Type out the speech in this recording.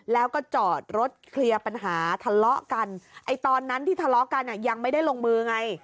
แล้วก็จอดรถเคลียร์ปัญหาทะเลาะกันไอ้ตอนนั้นที่ทะเลาะกันอ่ะยังไม่ได้ลงมือไง